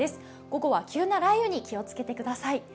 午後は急な雷雨に気をつけてください。